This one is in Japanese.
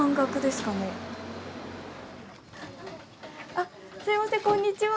あっすみませんこんにちは。